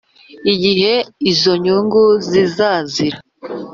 igihe izo nyungu ziazira.